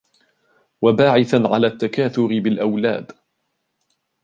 وَبَاعِثًا عَلَى التَّكَاثُرِ بِالْأَوْلَادِ